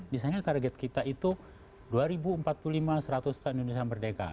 misalnya target kita itu dua ribu empat puluh lima seratus tahun indonesia merdeka